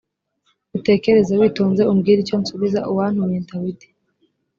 utekereze witonze umbwire icyo nsubiza uwantumye dawidi